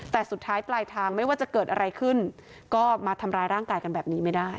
แต่สุดท้ายปลายทางไม่ว่าจะเกิดอะไรขึ้นก็มาทำร้ายร่างกายกันแบบนี้ไม่ได้